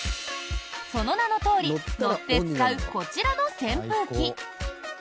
その名のとおり乗って使う、こちらの扇風機。